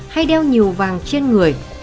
hay đeo nhiều vàng trên người